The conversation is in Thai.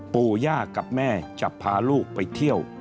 ปู่ย่ากับแม่จะพาลูกไปเที่ยว